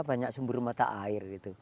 banyak sumber mata air